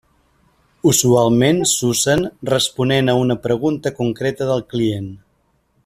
Usualment s'usen responent a una pregunta concreta del client.